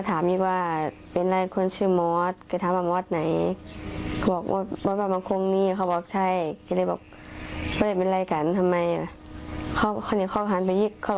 ฟังเสียงน้องโมกันหน่อยค่ะ